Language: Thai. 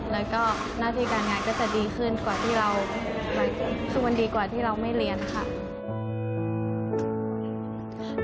และหน้าที่การงานก็จะดีขึ้นสมันดีกว่าที่เราไม่เรียนค่ะ